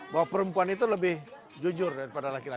bahwa perempuan itu lebih jujur daripada laki laki